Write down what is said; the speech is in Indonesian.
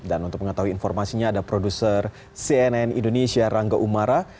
dan untuk mengetahui informasinya ada produser cnn indonesia rangga umara